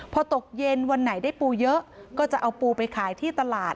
พอตกเย็นวันไหนได้ปูเยอะก็จะเอาปูไปขายที่ตลาด